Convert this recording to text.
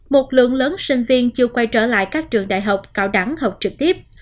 một lượng lớn sinh viên chưa quay trở lại các trường đại học cao đẳng học trực tiếp